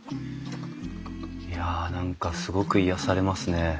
いや何かすごく癒やされますね。